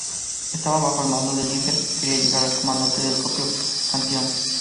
Estaban bajo el mando del Líder que quería llegar al comandante del propio Panteón.